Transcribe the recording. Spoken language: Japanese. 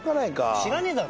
知らねえだろ。